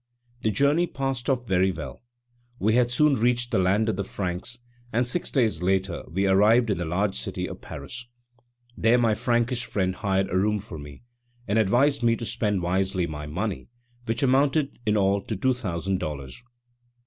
The journey passed off very well; we had soon reached the land of the Franks, and six days later we arrived in the large city of Paris. There my Frankish friend hired a room for me, and advised me to spend wisely my money, which amounted in all to two thousand dollars.